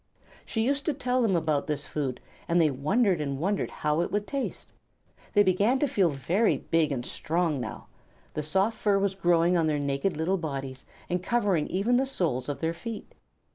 She used to tell them about this food, and they wondered and wondered how it would taste. They began to feel very big and strong now. The soft fur was growing on their naked little bodies and covering even the soles of their feet.